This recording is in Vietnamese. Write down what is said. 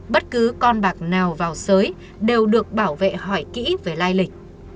bất cứ con bạc nào vào sới đều được bảo vệ hỏi kỹ về lai lịch